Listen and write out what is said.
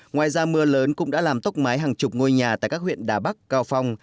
ngoài ra mưa lớn cũng đã làm tốc mái hàng chục ngôi nhà tại các huyện đà bắc cao phong